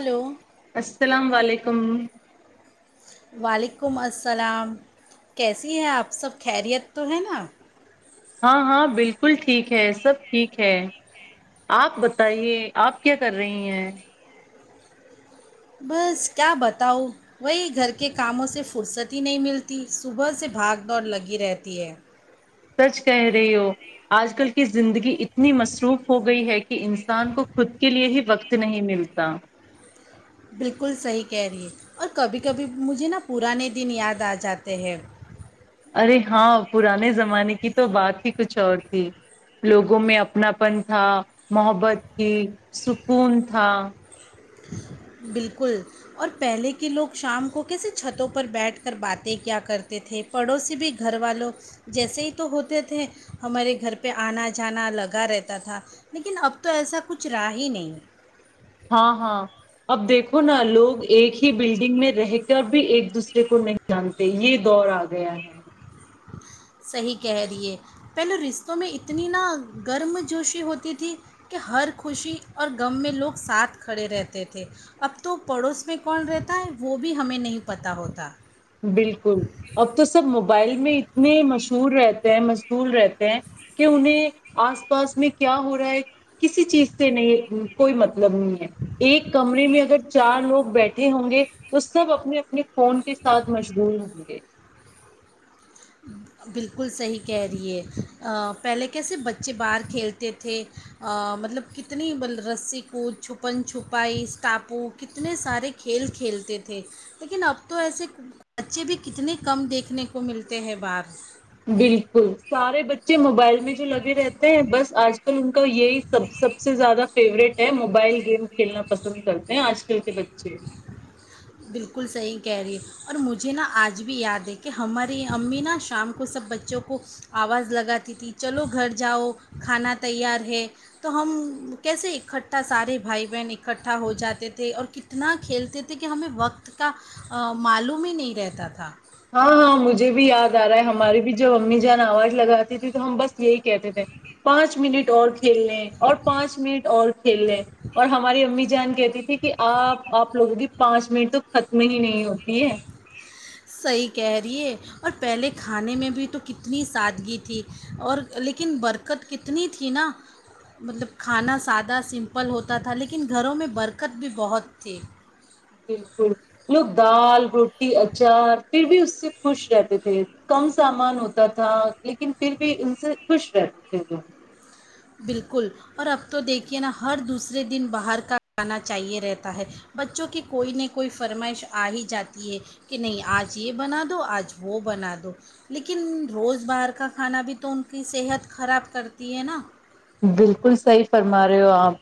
hello السلام و علیکم وعلیکم السلام کیسی ہیں آپ سب خیریت تو ہے نا ہاں ہاں بالکل ٹھیک ہے سب ٹھیک ہے آپ بتائیے آپ کیا کر رہی ہیں بس کیا بتاؤ وہی گھر کے کاموں سے فرصتی ہی نہیں ملتی صبح سے بھاگ دوڑ لگی رہتی ہے سچ کہہ رہی ہو آج کل کی زندگی اتنی مصروف ہو گئی ہے کہ انسان کو خود کے لیئے ہی وقت نہیں ملتا بالکل صحیح کہہ رہی ہے اور کبھی کبھی مجھے نا پرانے دن یاد آ جاتے ہیں ارے ہاں پرانے زمانے کی تو بات ہی کچھ اور تھی لوگوں میں اپناپن تھا محبت تھی سکون تھا بالکل اور پہلے کے لوگ شام کو کیسے چھتوں پر بیٹھ کر باتیں کیا کرتے تھے پڑوسی بھی گھر والوں جیسے ہی تو ہوتے تھے ہمارے گھر پہ آنا جانا لگا رہتا تھا لیکن اب تو ایسا کچھ رہا ہی نہیں ہاں ہاں اب دیکھو نا لوگ ایک ہی بلڈنگ میں رہ کر بھی ایک دوسرے کو نہیں جانتے یہ دور آ گیا ہے صحیح کہہ دییے پہلے رشتوں میں اتنی نا گرم جوشی ہوتی تھی کہ ہر خوشی اور غم میں لوگ ساتھ کھڑے رہتے تھے اب تو پڑوس میں کون رہتا ہے وہ بھی ہمیں نہیں پتہ ہوتا بالکل اب تو سب موبائل میں اتنے مشہور رہتے ہیں مشغول رہتے ہیں کہ انہیں آس پاس میں کیا ہو رہا ہے کسی چیز سے نہیں کوئی متب بنی ہے ایک کمرے میں اگر چار لوگ بیٹھے ہوں گے تو سب اپنے اپنے فون کے ساتھ مشغول ہوں گے بالکل صحیح کہہ رہی ہے پہلے کیسے بچے باہر کھیلتے تھے مطلب کتنی رسی کو چھپن چھپائی اسٹاپو کتنے سارے کھیل کھیلتے تھے لیکن اب تو ایسے بچے بھی کتنے کم دیکھنے کو ملتے تہوار [unintelligible] بالکل سارے بچے موبائل جو لگے رہتے ہیں بس آج کل ان کا یہی سب سب سے زیادہ فیوروریٹ ہے موبائل گیم کھیلنا پسند کرتے ہیں آج کل کے بچے بالکل صحیح کہہ رہی ہے اور مجھے نا آج بھی یاد ہے کہ ہماری امی نا شام کو سب بچوں کو آواز لگاتی تھی چلو گھر جاؤ کھانا تیار ہے تو ہم کیسے اکٹھا سارے بھائی بہن اکٹھا ہو جاتے تھے اور کتنا کھیلتے تھے کہ ہمیں وقت کا معلوم ہی نہیں رہتا تھا ہاں ہاں مجھے بھی یاد آ رہا ہے ہماری بھی جو امی جان آواز لگاتی تھی تو ہم بس یہی کہتے تھے پانچ منٹ اور ک کھیل لیں اور پانچ منٹ اور کھیل لیں اور ہماری امی جان کہتی تھی کہ آپ آپ لوگوں کی پانچ منٹ تو ختم ہی نہیں ہوتی ہے صحیح کہہ رہی ہے اور پہلے کھانے میں بھی تو کتنی سادگی تھی اور لیکن برکت کتنی تھی نا مطلب کھانا سادہ سمپل ہوتا تھا لیکن گھروں میں برکت بھی بہت تھی بالکل لوگ دال روٹی اچار پھر بھی اس سے خوش رہتے تھے کم سامان ہوتا تھا لیکن پھر بھی ان سے خوش رہتے تھے لوگ بالکل اور اب تو دیکھیے نا ہر دوسرے دن باہر کا کھانا چاہیے رہتا ہے بچوں کی کوئی نہ کوئی فرمائش آ ہی جاتی ہے کہ نہیں آج یہ بنا دو آج وہ بنا دو لیکن روز باہر کا کھانا بھی تو ان کی صحت خراب کرتی ہے نا بالکل صحی فرما رہے ہو آپ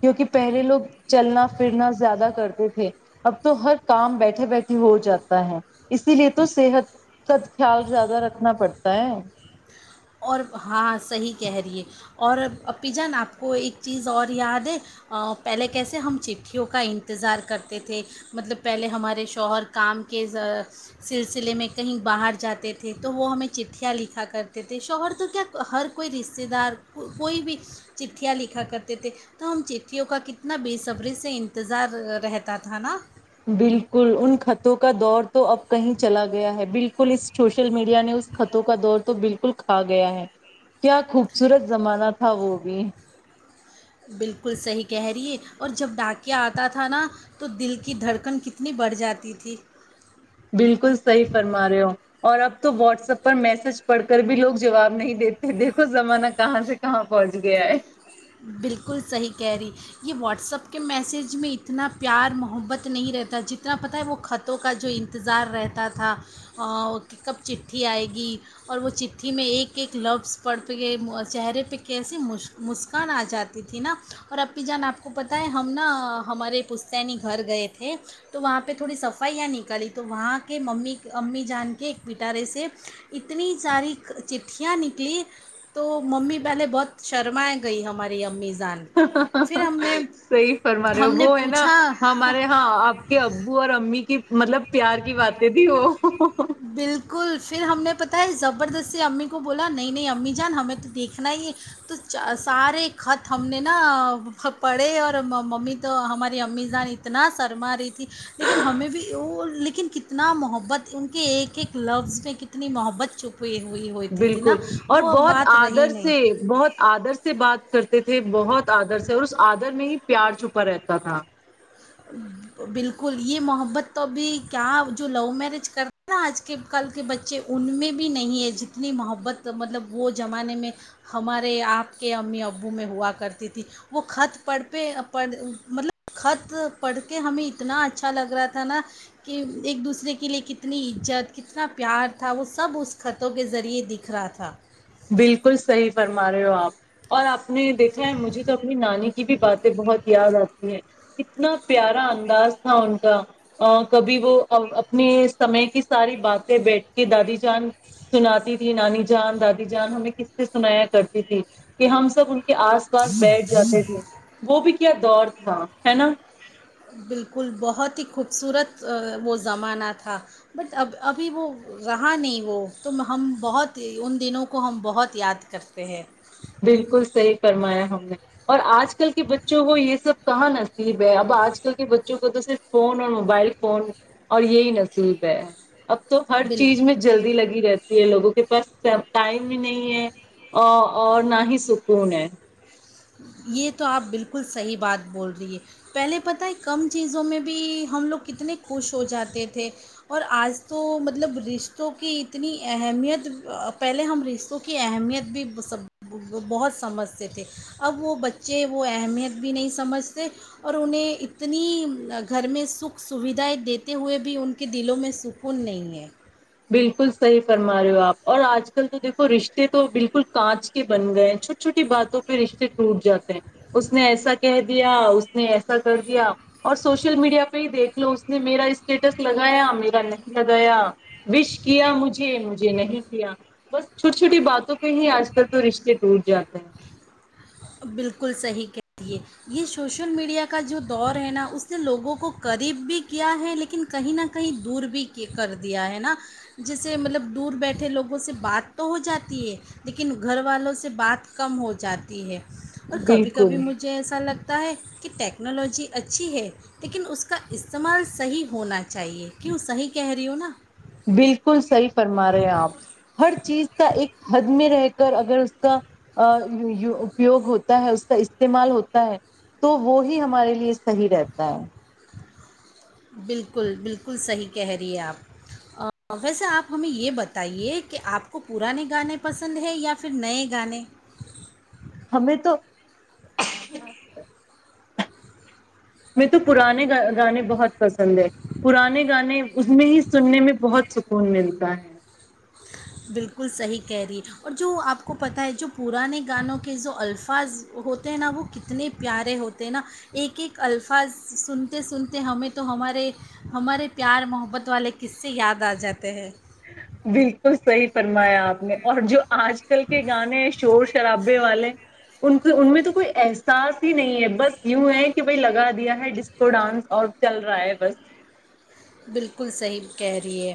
کیونکہ پہلے لوگ چلنا پھرنا زیادہ کرتے تھے اب تو ہر کام بیٹھے بیٹھے ہو جاتا ہے اسی لیے تو صحت کا خیال زیادہ رکھنا پڑتا ہے اور ہاں صحیح کہہ رہی ہے اور اپی جان آپ کو ایک چیز اور یاد ہے پہلے کیسے ہم چٹھیوں کا انتظار کرتے تھے مطلب پہلے ہمارے شوہر کام کے سلسلے میں کہیں باہر جاتے تھے تو وہ ہمیں چٹھیاں لکھا کر تےتھے شوہر تو کیا ہر کوئی رشتے دار کوئی بھی چٹھیاں لکھا کرتے تھے تو ہم چٹھیوں کا کتنا بےصبری سے انتظار رہتا تھا نا بالکل ان خطوں کا دور تو اب کہیں چلا گیا ہے بالکل اس سوشل میڈیا نے اس خطوں کا دور تو بالکل کھا گیا ہے کیا خوبصورت زمانہ تھا وہ بھی بالکل صحیح کہہ رہی ہے اور جب ڈاکیا آتا تھا نا تو دل کی دھڑکن کتنی بڑھ جاتی تھی بالکل صحیح فرما رہے ہو اور اب تو واٹس ایپ پر میسج پڑھ کر بھی لوگ جواب نہیں دیتے دیکھو زمانہ کہاں سے کہاں پہنچ گیا ہے بالکل صحیح کہہ رہی یہ واٹسپ کے میسیج میں اتنا پیار محبت نہیں رہتا جتنا پتہ ہے وہ خطوں کا جو انتظار رہتا تھا کہ کب چٹھی آئے گی اور وہ چٹھی میں ایک ایک لفظ پڑھ پئے چہرے پہ کیسے مش مس کان آ جاتی تھی نا اور اپی جان آپ کو پتہ ہے ہم نا ہمارے پستینی گھر گئے تھے تو وہاں پہ تھوڑی صفائیاں نکالی تو وہاں کے ممی امی جان کے ایک پٹارے سے اتنی ساری چٹھیاں نکلی تو ممی پہلے بہت شرمائے گئی ہماری امی جان پھر ہم نے صحیح فرما رہے ہو ہم نے وہ ہے نا پوچھا ہمارے یہاں آپ کے ابو اور امی کی مطلب پیار کی باتیں تھی وہ بالکل پھر ہم نے پتاہ ہے زبردستی امی کو بولا نہیں نہیں امی جان ہمیں تو دیکھنا ہی ہے تو سارے خط ہم نے نا پڑھے اور ممی تو ہماری امی جان اتنا سرما رہی تھی لیکن ہمیں بھی وہ لیکن کتنا محبت ان کےایک ایک لفظ پے کتنی محبت چھپی ہوئی ہوتی تھی نا بالکل اور وہ اب بہت بات رہی آدر نہیں سے بہت آدر سے بات کر تےتھے بہت آدر سے اور اس آدر میں ہی پیار چھپا رہتا تھا بالکل یہ محبت تو ابھی کیا جو لوو میرج کرتے ہے نا آج کے کل کے بچے ان میں بھی نہیں ہے جتنی محبت مطلب وہ زمانے میں ہمارے آپ کے امی ابو میں ہوا کرتی تھی وہ خط پڑھ پہ پڑ مطلب خط پڑھ کے ہمیں اتنا اچھا لگ رہا تھا نا کہ ایک دوسرے کے لیے کتنی عزت کتنا پیار تھا وہ سب اس خطوں کے ذریعے دکھ رہا تھا بالکل صحیح فرما رہے ہو آپ اور آپ آپ نے دیکھا ہے مجھے تو اپنی نانی کی بھی باتیں بہت یاد آتی اتنا پیارا انداز تھا ان کا کبھی وہ اپنے سمے کی ساری باتیں بیٹھ کے دادی جان سناتی تھی نانی جان دادی جان ہمیں قصے سنایا کرتی تھی کہ ہم سب ان کے آس پاس بیٹھ جاتے تھے وہ بھی کیا دور تھا ہے نا بالکل بہت ہی خوبصورت وہ زمانہ تھا بٹ اب ابھی وہ رہا نہیں وہ تو ہم بہت ان دنوں کو ہم بہت یاد کرتے ہیں بالکل صحیح فرمایا ہم نے اور آج کل کے بچوں کو یہ سب کہاں نصیب ہے اب آج کل کے بچوں کو تو صرف فون اور موبائل فون اور یہی نصیب ہے اب تو ہر بل چیز میں جلدی لگی رہتی یہ لوگوں کے پاس ٹائم بھی نہیں ہے ا اور نہ ہی سکون ہے یہ تو آپ بالکل صحیح بات بول رہی ہے پہلے پت ہے کم چیزوں میں بھی ہم لوگ کتنے خوش ہو جاتے تھے اور آج تو مطلب رشتوں کی اتنی اہمیت پہلے ہم رشتوں کی اہمیت بھیب بہت سمجھتے تھے اب وہ بچے وہ اہمیت بھی نہیں سمجھتے اور انہیں اتنی گھر میں سکھ سویدھائیں دیتے ہوئے بھی ان کے دلوں میں سکون نہیں ہے بالکل صحیح فرما رہے ہو آپ اور آج کل تو دیکھو رشتے تو بالکل کانچ کے بن گئے ہیں چھوٹی چھوٹی باتوں پہ رشتے ٹوٹ جاتے ہیں اس نے ایسا کہہ دیا اس نے ایسا کر دیا اور سوشل میڈیا پہ ہی دیکھ لو اس نے میرا اسٹیٹس لگایا میرا نہیں لگایا وش کیا مجھے مجھے نہیں کیا بس چھوٹی چھوٹی باتوں پہ ہی آج کل تو رشتے ٹوٹ جاتے ہیں بالکل صحیح کہیے یہ شوشل میڈیا کا جو دور ہے نا اس نے لوگوں کو قریب بھی کیا ہے لیکن کہیں نہ کہیں دور بھی کر دیا ہے نا جیسے مطلب دور بیٹھے لوگوں سے بات تو ہو جاتی ہے لیکن گھر والوں سے بات کم ہو جاتی ہے اور کبھی کبھی بالکل مجھے ایسا لگتا ہوتا ہے کہ ٹیکنالوجی اچھی ہے لیکن اس کا استعمال صحیح ہونا چاہیے کیوں صحیح کہہ رہی ہ ہو نا بالکل صحیح فرما رہے ہیں آپ ہر چیز کا ایک حد میں رہ اگر اس کا اپیوگ ہوتا ہے اس کا استعمال ہوتا ہے تو وہ ہی ہمارے لیے صحیح رہتا ہے بالکل بالکل صحیح کہہ رہی ہے آپ ویسے آپ ہمیں یہ بتائیے کہ آپ کو پرانے گانے پسند ہیں یا پھر نئے گانے ہمیں تو ہمیں تو پرانے گانے بہت پسند ہے پرانے گانے اس میں ہی سننے میں بہت سکون ملتا ہے بالکل صحیح کہہ رہی ہے اور جو آپ کو پتہ ہے جو پرانے گانوں کے جو الفاظ ہوتے ہیں نا وہ کتنے پیارے ہوتے ہیں نا ایک ایک الفاظ سنتے سنتے ہمیں تو ہمارے ہمارے پیار محبت والے کس سے یاد آ جاتے ہیں بالکل صحیح فرمایا آپ نے اور جو آج کل کے گانے شورور شراب والے ان میں تو کوئی احساس ہی نہیں ہے بس یوں ہیں کہ لگا دیا ہے ڈسکو ڈانس اور چل رہا ہے بس بالکل صحیح کہہ رہی ہے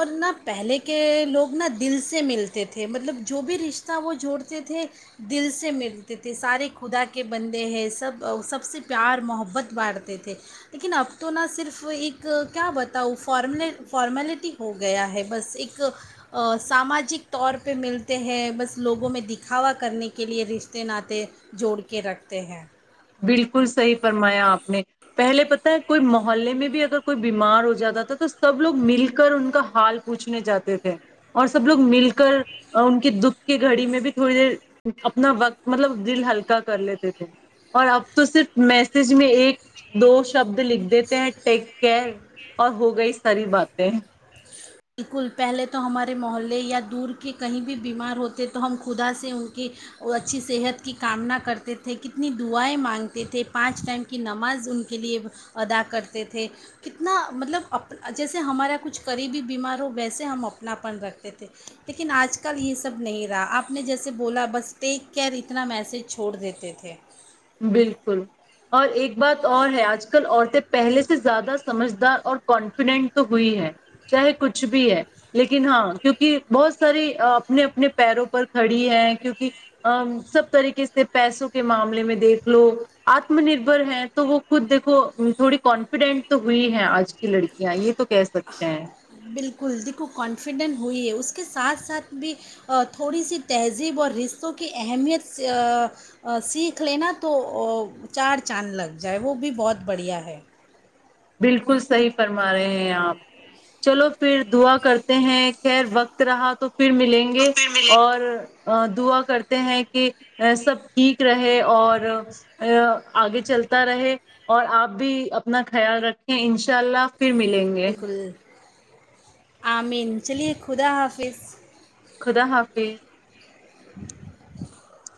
اور نہ پہلے کے لوگ نہ دل سے ملتے تھے مطلب جو بھی رشتہ وہ جوڑتے تھے دل سے ملتے تھے سارے خدا کے بندے ہیں سب سب سے پیار محبت بانٹتے تھے لیکن اب تو نہ صرف ایک کیا بتاؤ فارمل فارمیلٹی ہو گیا ہے بس ایک ساماجک طور پہ ملتے ہیں بس لوگوں میں دکھاوا کرنے کے لیے رشتے ناطے جوڑ کے رکھتے ہیں بالکل صحیح فرمایا آپ نے پہلے پتہ ہے کوئی محلے میں بھی اگر کوئی بیمار ہو جاتا تھا تو سب لوگ مل کر ان کا حال پوچھنے جاتے تھے اور سب لوگ مل کر ان کے دکھ کے گھڑی میں بھی تھوڑی دیر اپنا وقت مطلب دل ہلکا کر لیتے تھے اور اب تو صرف میسج میں ایک دو شبد لکھ دیتے ہیں ٹیک کیئر اور ہو گئی ساری باتیں بالکل پہلے تو ہمارے محلے یا دور کے کہیں بھی بیمار ہوتے تو ہم خدا سے ان کی اچھی صحت کی کامنا کرتے تھے کتنی دعائیں مانگتے تھے پانچ ٹائم کی نماز ان کے لیے ادا کرتے تھے کتنا مطلب اپ جیسے ہمارا کچھ قریبی بیمار ہو ویسے ہم اپناپن رکھتے تھے لیکن آج کل یہ سب نہیں رہا آپ نے جیسے بولا بس ٹیک کیئر اتنا میسج چھوڑ دیتے تھے بالکل اور ایک بات اور ہے آج کل عورتیں پہلے سے زیادہ سمجھدار اور کانفیڈنٹ تو ہوئی ہے چاہے کچھ بھی ہے لیکن ہاں کیونکہ بہت ساری اپنے اپنے پیروں پر کھڑی ہے کیوںک ا سب طریقے سے پیسوں کے معاملے میں دیکھ لو آتم نربھر ہے تو وہ خود دیکھو تھوڑی کانفیڈینٹ تو ہوئی ہے آج کی لڑکیاں یہ تو کہہ سکتے ہیں بالکل دیکھو کانفیڈنٹ ہوئی ہے اس کے ساتھ ساتھ بھی تھوڑی سی تہذیب اور رستوں کی اہمیت سیکھ لینا تو چار چاند لگ جائے وہ بھی بہت بڑھیا ہے بالکل صحیح فرما رہے ہیں آپ چلو پھر دعا کرتے ہیں خیر وقت رہا تو پھر ملیں تو گے پھر ملے اور دعا کرتے ہیں کہ سب ٹھیک رہے اور آگے چلتا رہے اور آپ بھی اپنا خیال رکھیں ان ان شاء اللہ پھر ملیں گے بالکل آمین چلیے خدا حافظ خدا حافظ [inaudible]